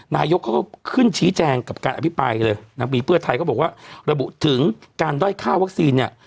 นายกเขาก็ขึ้นชี้แจงกับการอภิปรายเลยนะปีเพื่อไทยก็บอกว่าระบุถึงการด้อยค่าวัคซีนเนี่ย